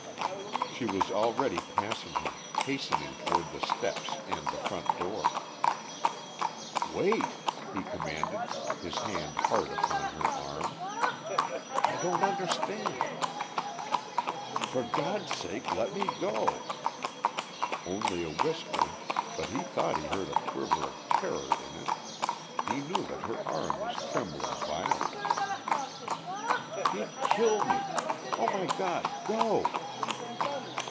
She was already passing him, hastening toward the steps and the front door. "Wait!" he commanded, his hand hard upon her arm. "I don't understand...." "For God's sake let me go!" Only a whisper, but he thought he heard a quiver of terror in it, he knew that her arm was trembling violently. "He'd kill me. ... Oh, my God, go!"